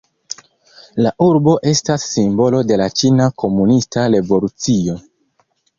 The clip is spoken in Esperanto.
La urbo estas simbolo de la ĉina komunista revolucio.